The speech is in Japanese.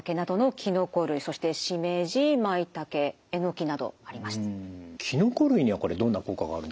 きのこ類にはこれどんな効果があるんでしょうか？